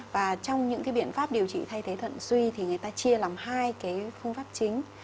và trong những biện pháp điều trị thay thế thận suy thì người ta chia làm hai phương pháp chính